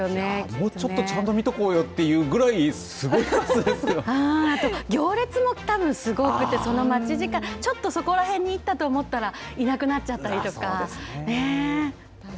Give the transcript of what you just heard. もうちょっとちゃんと見とこうよというぐらいあと行列もすごくてその待ち時間ちょっとそこらへんに行ったと思ったらいなくなっちゃったりとか。